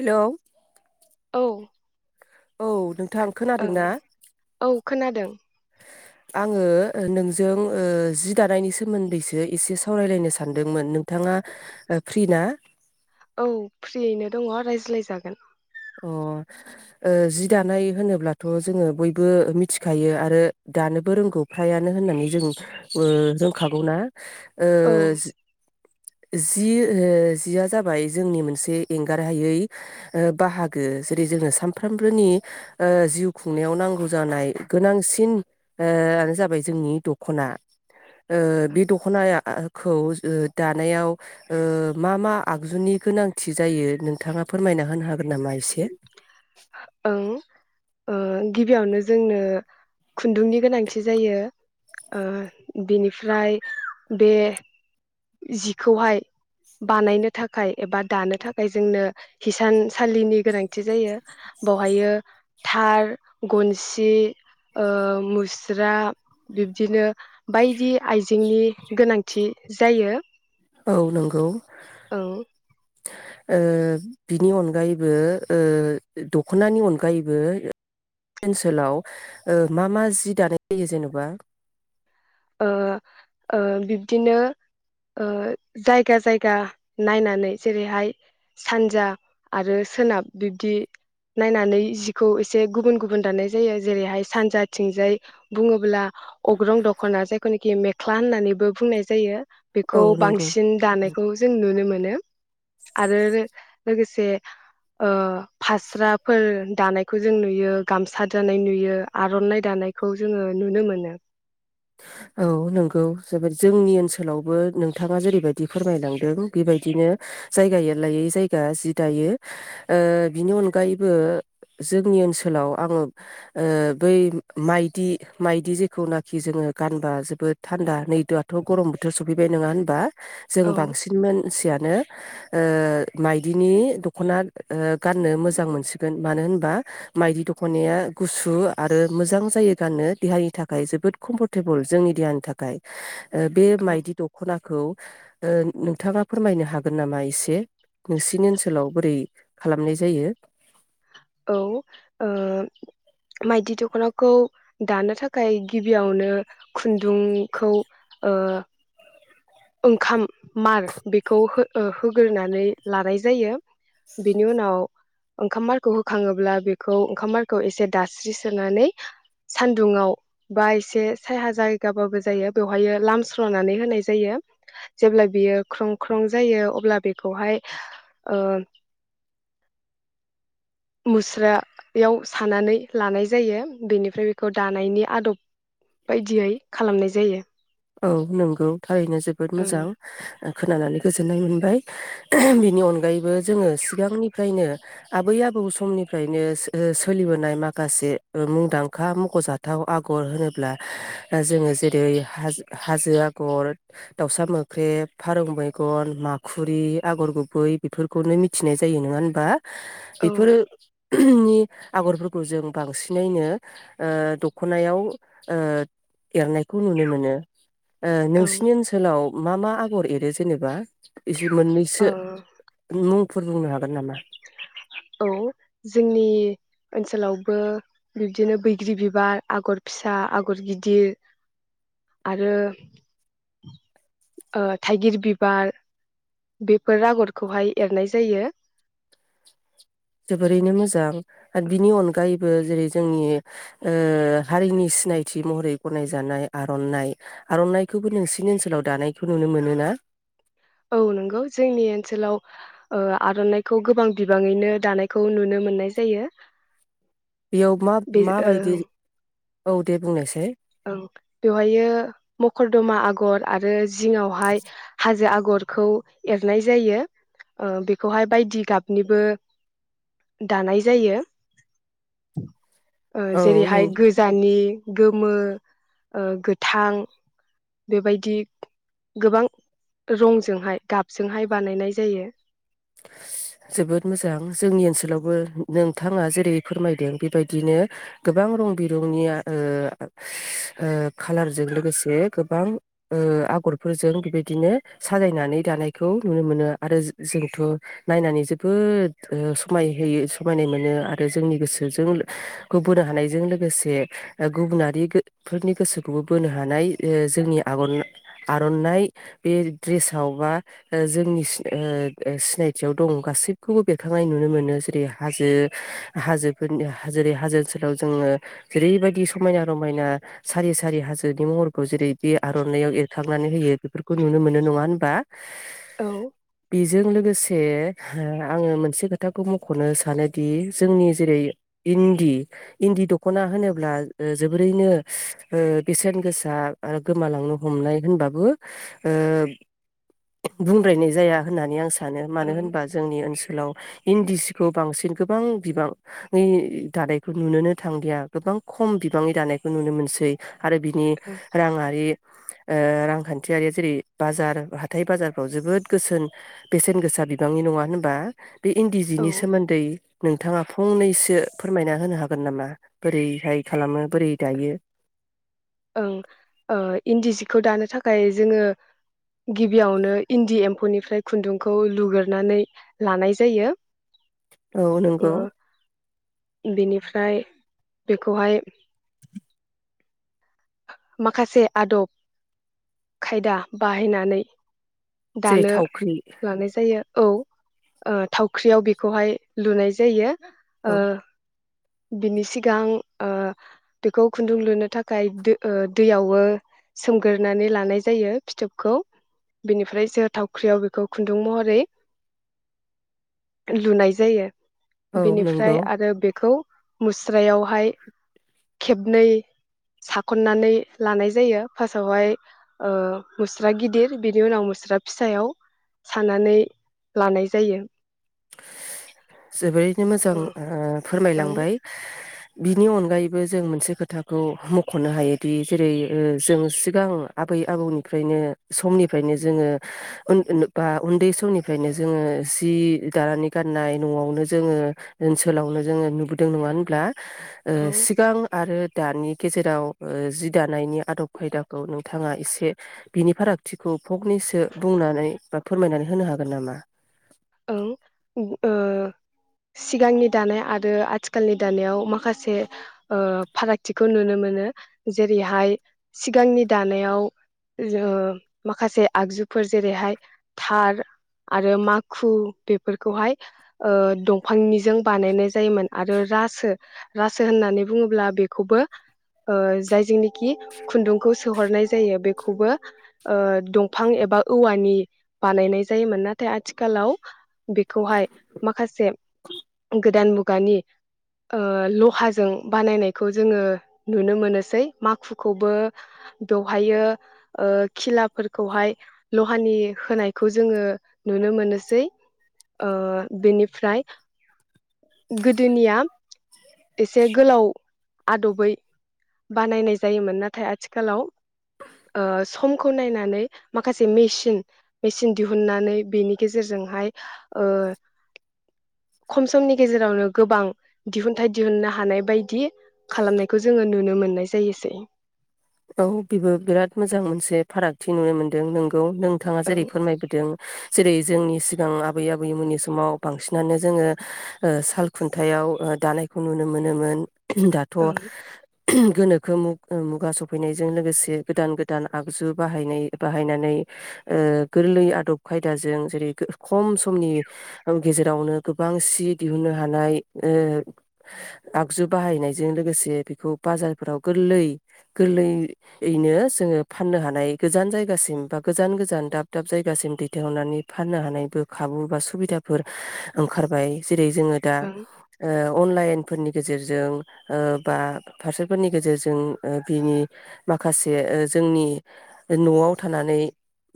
Hello औ औ नोंथां खोनादों ना ओं औ खोनादों आङो नोंजों ओ जि दानायनि सोमोन्दैसो एसे सावरायलायनो सानदोंमोन नोंथाङा फ्रि ना औ फ्रियैनो दङ रायज्लायजागोन अ जि ओ दानाय होनोब्लाथ जोङो बयबो मिथिखायो आरो दानोबो रोंगौ फ्रायानो होननानै जों रोंखागौना ओ औ जि ओ जिया जाबाय जोंनि मोनसे एंगारहायै बाहागो जेरै जोंनो सानफ्रोमबोनि ओ जिउ खुंनायाव नांगौ जानाय गोनांसिननो जाबाय जोंनि दखना बे दखनायखौ दानायाव ओ मा मा आगजुनि गोनांथि जायो नोंथाङा फोरमायना होनो हागोन नामा एसे ओं ओ गिबियावनो जोंनो खुन्दुंनि गोनांथि जायो ओ बिनिफ्राय बे जिखौहाय बानायनो थाखाय एबा दानो थाखाय जोंनो हिसानसालिनि गोनांथि जायो बावहायो थार गनसि ओ मुस्रा बिब्दिनो बायदि आइजेंनि गोनांथि जायो। औ नंगौ। ओं ओ बिनि अनगायैबो ओ दख'नानि अनगायैबो ओनसोलाव ओ मा मा जि दानाय जायो जेन'बा ओ ओ बिब्दिनो ओ जायगा जायगा नायनानै जेरैहाय सानजा आरो सोनाब बिब्दि नायनानै जिखौ एसे गुबुन गुबुन दाननाय जायो जेरैहाय सानजाथिंजाय बुङोब्ला अग्रं दख जेखुनाखि मेख्ला होननानैबो बुंनाय जायो औ बेखौ नंगौ बांसिन दानायखौ जों नुनो मोनो मोनो आरो लोगोसे ओ फास्राफोर दानायखौ जों नुयो गामसा दानाय नुयो आर'नाइ दानायखौ जोङो नुनो मोनो। औ नंगौ जोबोद जोंनि ओनसोलावबो नोंथाङा जेरैबायदि फोरमायलांदों बेबायदिनो जायगायै जायगा जि दायो बिनि अनगायैबो जोंनि ओनसोलाव आङो ओ बै माइदि माइदि जेखौनाखि जोङो गानबा जोबोद थान्दा नै दाआथ' गरम बोथोर सफैबाय नोङा होनबा जों औ बांसिन मानसियानो ओ माइदिनि दख'ना ओ गाननो मोजां मोनसिगोन मानो होनबा माइदि दखनाया गुसु आरो मोजां जायो गाननो देहानि थाखाय जोबोद कम्फर्ट टेबोल जोंनि देहानि थाखाय बे औ मायदि दख'ना खौ ओ नोंथाङा फोरमायनो हागोन नामा एसे नोंसिनि ओनसोलाव बोरै खालामनाय जायो औ ओ माइदि दख'नाखौ दानो थाखाय गिबियावनो खुन्दुंखौ ओ ओंखाम मार बेखौ हो होग्रोनानै लानाय जायो बेनि उनाव ओंखाम मारखौ होखाङोब्ला बेखौ ओंखाम मारखौ एसे दास्रिसोनानै सानदुुंआव बा एसे साया जायगाबाबो जायो बेवहाय लामस्रोनानै होनाय जायो जेब्ला बियो ख्रं ख्रं जायो अब्ला बेखौहाय ओ मुस्रा याव सानानै लानाय जायो बेनिफ्राय बेखौ दानायनि आदब बायदियै खालामनाय जायो। औ नंगौ। थारैनो जोबोद ओं मोजां। खोनानानै गोजोननाय मोनबाय बिनि अनगायैबो जोङो सिगांनिफ्रायनो आबै आबौ समनिफ्रायनो ओ सोलिबोनाय माखासे मुंदांखा मख'जाथाव आगर होनोब्ला जोङो जेरै हाजो हाजो आगर दाउसा मोख्रेब फारौ मेगन माखुरि आगर गुबै बेफोरखौनो मिथिनाय जायो नोङा होनबा औ बेफोरो नि आगरफोरखौ जों बांसिनैनो ओ दख'नायाव ओ एरनायखौ नुनो मोनो। ओ औ नोंसिनि ओनसोलाव मा मा आगर एरो जेनेबा? इसे मोननैसो ओ मुं फोर बुंनो हागोन नामा औ जोंनि ओन ओनसोलावबो बिब्दिनो बैग्रि बिबार आगर फिसा आगर गिदिर आरो ओ थाइगिर बिबार बेफोर आगरखौहाय एरनाय जायो। जोबोरैनो मोजां आरो बिनि अनगायैबो जेरै जोंनि ओ हारिनि सिनायथि महरै गनायजानाय आर'नाइ आर'नाइखौबो नोंसिनि ओनसोलाव दानायखौ नुनो मोनोना औ नंगौ जोंनि ओनसोलाव ओ आर'नाइखौ गोबां बिबाङैनो दानायखौ नुनो मोननाय जायो। बेयाव मा बे मा ओ बायदि औ दे बुंनाय साय ओं बेवहायो मकरदमा आगर आरो जिङावहाय हाजो आग गरखौ एरनाय जायो ओ बेखौहाय बायदि गाबनिबो दानाय जायो। ओ औ नों जेरैहाय गोजानि गोमो ओ गोथां बेबायदि गोबां रंजोंहाय गाबजोंहाय बानायनाय जायो। जोबोद मोजां जोंनि ओनसोलावबो नोंथाङा जेरै फोरमायदों बेबायदिनो गोबां रं बिरंनि आ ओ ओ खालारजों लोगोसे गोबां ओ आगरफोरजों बेबायदिनो साजायनानै दानायखौ नुनो मोनो आरो जो जों थ' नायनानै जोबोद ओ समाय होयो समायनाय मोनो आरो जोंनि गोसोजों खौ बोनो हानायजों लोगोसे ओ गुबुनारि गो फोरनि गोसोखौबो बोनो हानाय ओ जोंनि आग' आर'नाइ बे ड्रेसाव बा ओ जोंनि सि ओ सिनायथियाव दं गासैखौबो बेरखांनाय नुनो मोनो जेरै हाजो हाजोफोरनि जेरै हाजो ओनसोलाव जोङो जेरैबायदि समायना रमायना सारि सारि हाजोनि महरखौ जेरै बे आर'नायाव एरखांनानै होयो बेफोरखौ नुनो मोनो नङा होनबा। औ बेजों लोगोसे हो आङो मोनसे खोथाखौ मख'नो सानोदि जोंनि जेरै इन्दि इन्दि दख'ना होनोब्ला ओ जोबोरैनो ओ बेसेन गोसा ओ गोमालांनो हमनाय होनबाबो ओ बुंद्रायनाय जाया। होननानै आं सा सानो मानो ओं होनबा जोंनि ओनसोलाव इन्दि सिखौ बांसिन गोबां बिबांनि दानायखौ नुुनोनो थांदिया गोबां खम बिबांनि दानायखौ नुनो मोनसै। आरो बिनि ओं राङारि ओ रांखान्थियारिया जेरै बाजार हाथाय बाजारफ्राव जोबोद गोसोन बेसेन गोसा बिबांनि नङा होनबा? बे इन्दि औ जिनि सोमोन्दै नोंथाङा फंनैसो फोरमायना होनो हागोन नामा बोरैहाय खालामो बोरै दायो? ओं ओ इन्दि ओ जिखौ दानो थाखाय जोङो गिबियावनो इन्दि एम्फौनिफ्राय खुन्दुंखौ लुग्रोनानै लानाय जायो। औ नंगौ ओ बेनिफ्राय बेखौहाय माखासे आदब खायदा बाहायनानै जेरै दानो थावख्रि लानाय जायो औ। ओ थावख्रियाव बेखौहाय लुनाय जायो। ओ औ बिनि सिगां ओ बेखौ खुन्दुं लुनो थाखाय दो ओ दैयावबो सोमगोरनानै लानाय जायो फिथोबखौ बेनिफ्रायसो थावख्रियाव बेखौ खुन्दुं महरै लुनाय जायो। औ बेनिफ्राय नंगौ आरो बेखौ मुस्रायावहाय खेबनै सा खननानै लानाय जायो फार्स्टावहाय ओ मुस्रा गिदिर बेनि उनाव मुस्रा फिसायाव सानानै लानाय जायो। [unintelligible] जोंनो जों ओं ओ ओं फोरमायलांबाय। बिनि अनगायैबो जों मोनसे खोथाखौ मख'नो हायोदि जेरै ओ जों सिगां आबै आबौनिफ्रायनो समनिफ्रायनो जोङो बा उन्दै समनिफ्रायनो जोङो जि दानानै गाननाय न'आवनो जोङो ओनसोलावनो जोङो नुबोदों नङा होनब्ला? ओ औ सिगां आरो दानि गेजेराव ओ जि दानायनि आदब खायदाखौ नोंथाङा एसे बिनि फारागथिखौ फगनैसो बुंनानै बा फोरमायनानै होनो हागोन नामा? ओं ओ सिगांनि दानाय आरो आथिखालनि दानायाव माखासे ओ फारागथिखौ नुनो मोनो जेरैहाय सिगांनि दानायाव ओ माखासे आगजुफोर जेरैहाय थार आरो मा खु बेफोरखौहाय ओ दंफांनिजों बानायनाय जायोमोन आरो रासो रासो होननानै बुङोब्ला बेखौबो ओ जायजोंनिखि खुन्दुंखौ सोहरनाय जायो बेखौबो ओ दंफां एबा औवानि बानायनाय जायोमोन नाथाय आथि खालाव बेखौहाय माखासे गोदान मुगानि ओ लहाजों बानायनायखौ जोङो नुनो मोनोसै माखुखौबो बेवहायो ओ खिलाफोरखौहाय लहानि होनायखौ जोङो नु नो मोननोसै ओ बेनिफ्राय गोदोनिया एसे गोलाव आदबै बानायनाय जायोमोन नाथाय आथिखालाव ओ समखौ नायनानै माखासे मेसिन मेसिन दिहुननानै बेनि गेजेरजोंहाय ओ खम समनि गेजेरावनो गोबां दिहुनथाइ दिहुननो हानाय बायदि खालामनायखौ जोङो नुनो मोननाय जायोसै। औ बेबो बिराद मोजां मोनसे फारागथि नुनो मोनदों नों औ नोंथाङा ओं जेरै फोरमायबोदों। जेरै जोंनि सिगां आबै आबैमोननि समाव बांसिनानो जोङो ओ साल खुन्थायाव ओ दानायखौ नुनो मोनोमोन। दाथ' ओं गोनोखो मुग ओ मुगा सग फैनायजों लोगोसे गोदान गोदान आगजु बाहायनाय बाहायनानै ओ गोरलै आदब खायदाजों जेरै खम समनि गेजेरावनो गोबां सि दिहुननो हानाय ओ आगजु बाहायनायजों लोगोसे बेखौ बाजारफोराव गोरलै गोरलैयैनो जोङो फाननो हानाय गोजान जायगासिम बा गोजान गोजान दाब दाब जायगासिम दैथायहरनानै फाननो हानायबो खाबु बा सुबिदाफोर ओंखारबाय। जेरै जोङो दा ओं ओ अनलाइन फोरनि गेजेरजों ओ बा फारसेफोरनि गेजेरजों ओ बिनि माखासे ओ जोंनि न'आव थानानै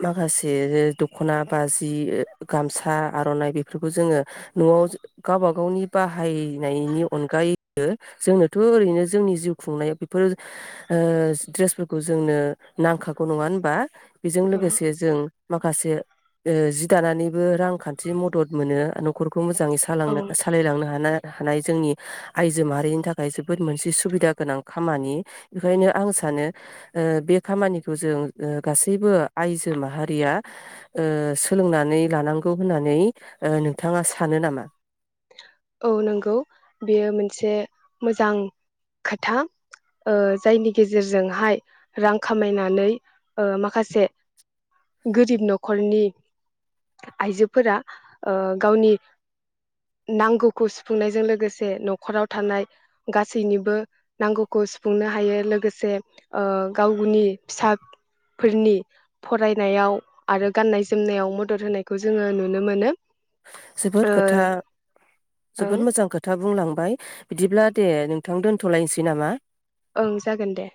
माखासे दख'ना बाजि गामसा आर'नाइ बेफोरखौ जोङो न'आव गावबा गावनि बाहायनायनि अनगायैबो जोंनोथ' ओरैनो जोंनि जिउ खुंनाय बेफोर ओ द्रेसफोरखौ जोंनो नांखागौ नङा होनबा बेजों ओं लोगोसे जों। माखासे ओ जि दानानैबो रांखान्थि मदद मोनो न'खर खौ मोजाङै औ सालांनो-सालायलांनो हानाय थानाय जोंनि आइजो माहारिनि थाखाय जोबोद मोनसे सुबिदा गोनां खामानि बेखायनो आं सानो ओ बे खामानिखौ जों गासैबो आइजो माहारिया ओ सोलोंनानै लानांगौ होननानै नोंथाङा सानो नामा? औ नंगौ बेयो मोनसे मोजां खोथा ओ जायनि गेजेरजोंहाय रां खामायनानै ओ माखासे गोरिब न'खरनि आइजोफोरा ओ गावनि नांगौ खौ सुफुंनायजों लोगोसे न'खराव थानाय गासैनिबो नांगौखौ सुफुंनो हायो लोगोसे ओ गावनि फिसाफोरनि फरायनायाव आरो गाननाय जोमनायाव मदद होनायखौ जोङो नुनो मोनो। जोबोद खोथा ओं जोबोद मोजां खोथा। बुंलांबाय बिदिब्ला दे नोंथां दोन्थ'लायनोसै नामा? ओं जागोन दे।